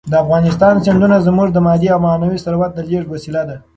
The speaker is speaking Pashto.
د افغانستان سیندونه زموږ د مادي او معنوي ثروت د لېږد وسیله ده.